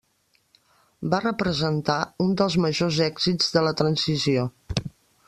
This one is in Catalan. Va representar un dels majors èxits de la Transició.